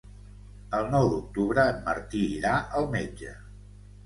El nou d'octubre en Martí irà al metge.